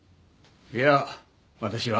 いや私は。